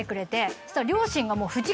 そしたら。